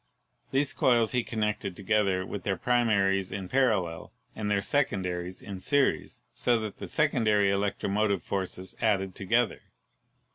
These coils he connected together with their primaries in parallel and their secondaries in series, so that the secondary electro motive forces added together.